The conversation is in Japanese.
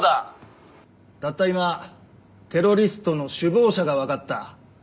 たった今テロリストの首謀者が分かった。